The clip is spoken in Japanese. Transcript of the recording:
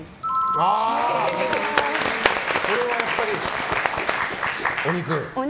これはやっぱり、お肉。